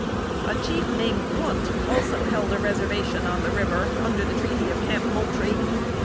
A chief named Blunt also held a reservation on the river, under the treaty of Camp Moultrie.